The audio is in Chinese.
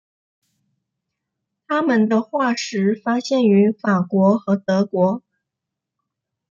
它们的化石发现于法国和德国。